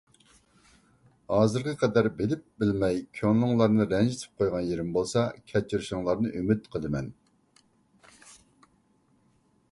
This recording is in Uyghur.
ھازىرغا قەدەر بىلىپ بىلمەي كۆڭلۈڭلارنى رەنجىتىپ قويغان يېرىم بولسا كەچۈرۈشۈڭلارنى ئۈمىد قىلىمەن.